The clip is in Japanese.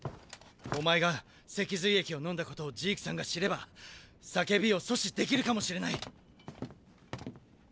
お前が脊髄液を飲んだことをジークさんが知れば「叫び」を阻止できるかもしれない。